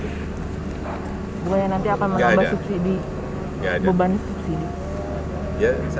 pokoknya nanti akan menambah subsidi beban subsidi